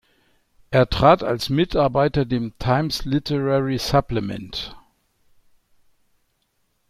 Er trat als Mitarbeiter dem Times Literary Supplement.